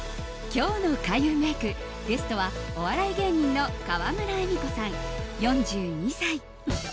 今日の開運メイクゲストはお笑い芸人の川村エミコさん、４２歳。